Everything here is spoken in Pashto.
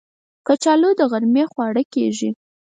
کچالو د غرمې خواړه کېږي